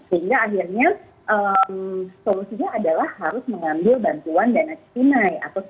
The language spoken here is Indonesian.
sehingga akhirnya solusinya adalah harus mengambil bantuan dana destinai atau kita ambilnya dari pinjaman online